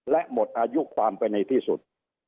และหมดอายุความไปในที่สุด